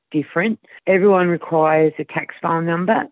semua orang membutuhkan nombor nombor tanda